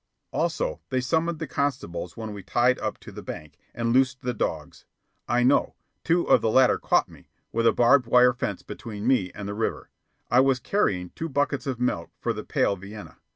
Also, they summoned the constables when we tied up to the bank, and loosed the dogs. I know. Two of the latter caught me with a barbed wire fence between me and the river. I was carrying two buckets of milk for the pale Vienna.